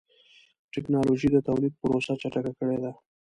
ټکنالوجي د تولید پروسه چټکه کړې ده.